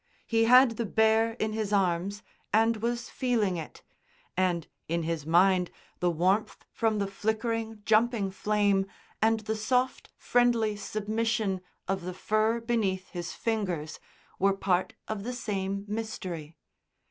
He had the bear in his arms and was feeling it, and in his mind the warmth from the flickering, jumping flame and the soft, friendly submission of the fur beneath his fingers were part of the same mystery.